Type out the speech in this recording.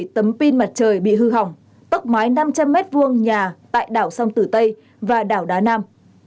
hai tấm pin mặt trời bị hư hỏng tốc mái năm trăm linh m hai nhà tại đảo sông tử tây và đảo đá nam